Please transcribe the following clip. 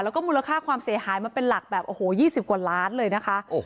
แล้วก็มูลค่าความเสียหายมันเป็นหลักแบบโอ้โห๒๐กว่าล้านเลยนะคะ